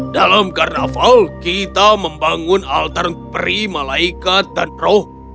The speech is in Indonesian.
dalam karnaval kita membangun altar peri malaikat dan roh